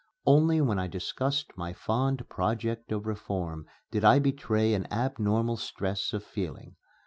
Only when I discussed my fond project of reform did I betray an abnormal stress of feeling.